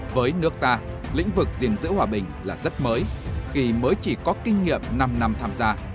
với nước ta lĩnh vực gìn giữ hòa bình là rất mới khi mới chỉ có kinh nghiệm năm năm tham gia